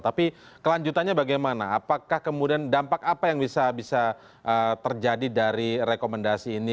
tapi kelanjutannya bagaimana apakah kemudian dampak apa yang bisa terjadi dari rekomendasi ini